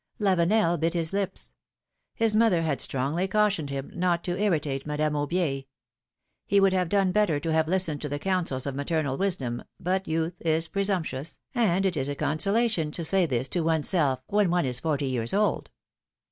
Lavenel bit his lips ; his mother had strongly cautioned him not to irritate Madame Aubier ! He would have done better to have listened to the counsels of maternal wisdom, but youth is presumptuous, and it is a consolation to say this to one's self, when one is forty years old.